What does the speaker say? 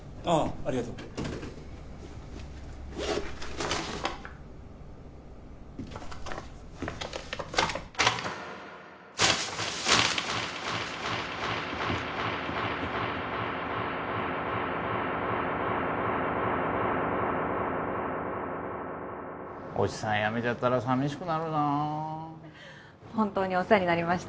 ありがとう越智さん辞めちゃったら寂しくなるな本当にお世話になりました